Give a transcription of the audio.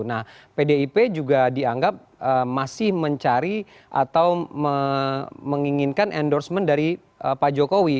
nah pdip juga dianggap masih mencari atau menginginkan endorsement dari pak jokowi